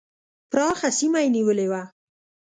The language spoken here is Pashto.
پراخه سیمه یې نیولې وه.